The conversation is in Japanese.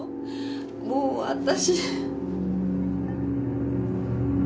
もう私。